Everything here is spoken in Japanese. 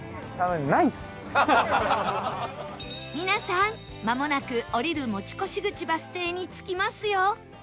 皆さんまもなく降りる持越口バス停に着きますよ